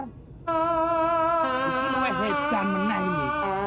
itu lo yang hebat banget ini